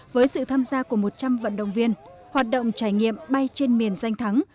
với sự tham gia của một trăm linh vận động viên hoạt động trải nghiệm bay trên miền danh thắng